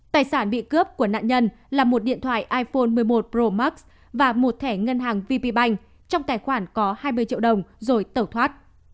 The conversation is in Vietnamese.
tài sản bị cướp của nạn nhân là một điện thoại iphone một mươi một pro max và một thẻ ngân hàng vp bank trong tài khoản có hai mươi triệu đồng rồi tẩu thoát